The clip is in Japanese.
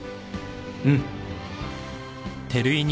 うん。